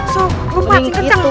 su lompat sih kenceng